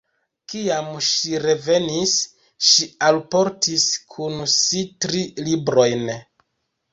Kiam ŝi revenis, ŝi alportis kun si tri librojn.